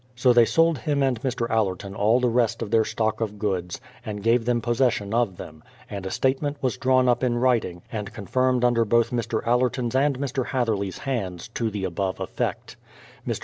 So tliey sold him and Mr. Allerton all the rest of their stock of goods, and gave them posses sion of them; and a statement was drawn up in writing, and confirmed under both Mr. Allerton's and Mr. Hatherley's hands, to the above effect. J\Ir.